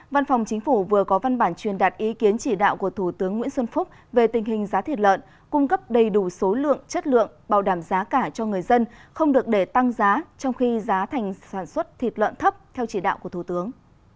văn phòng chính phủ vừa có văn bản truyền đạt ý kiến chỉ đạo của thủ tướng nguyễn xuân phúc về tình hình giá thịt lợn cung cấp đầy đủ số lượng chất lượng bảo đảm giá cả cho người dân không được để tăng giá trong khi giá thành sản xuất thịt lợn thấp theo chỉ đạo của thủ tướng